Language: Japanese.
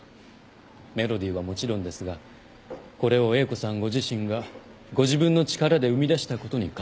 メロディーはもちろんですがこれを英子さんご自身がご自分の力で生み出したことに感動しています。